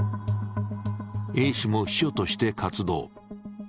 Ａ氏も秘書として活動。